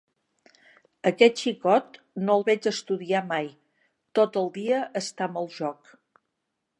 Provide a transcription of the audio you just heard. Aquest xicot, no el veig estudiar mai: tot el dia està amb el joc.